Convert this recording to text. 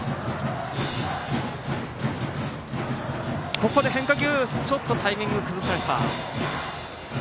ここで変化球、ちょっとタイミングを崩された。